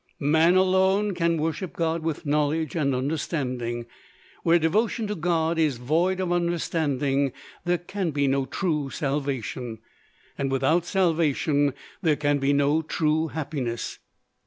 Man alone can worship God with knowledge and understanding. Where devotion to God is void of understanding, there can be no true salvation, and without salvation there can be no true happiness.